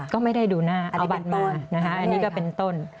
ก็ไม่ได้ดูหน้าเอาบัตรมาอันนี้ก็เป็นต้น